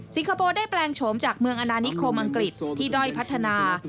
คโปร์ได้แปลงโฉมจากเมืองอนานิโคมอังกฤษที่ด้อยพัฒนา